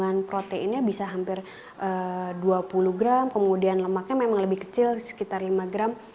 kandungan proteinnya bisa hampir dua puluh gram kemudian lemaknya memang lebih kecil sekitar lima gram